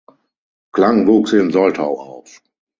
Klang wuchs in Soltau auf.